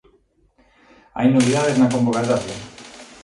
Hai novidades na convocatoria.